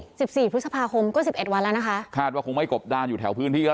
สิบสี่พฤษภาคมก็สิบเอ็ดวันแล้วนะคะคาดว่าคงไม่กบดานอยู่แถวพื้นที่แล้ว